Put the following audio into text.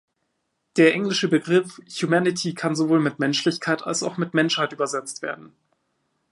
Der englische Begriff "humanity" kann sowohl mit "Menschlichkeit" als auch mit "Menschheit" übersetzt werden.